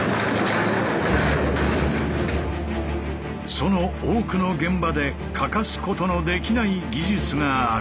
その多くの現場で欠かすことのできない技術がある。